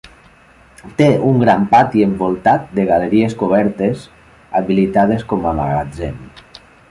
Té un gran pati envoltat de galeries cobertes habilitades com a magatzem.